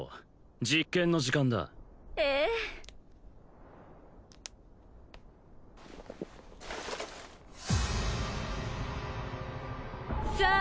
実験の時間だええさあ